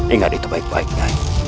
ingat itu baik baik nyai